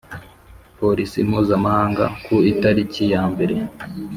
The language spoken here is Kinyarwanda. Polisi mpuzamahanga ku italiki ya mbere